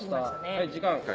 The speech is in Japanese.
はい時間。